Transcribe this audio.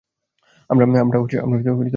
আমরা ড্রেগমোরে পৌঁছে গেছি।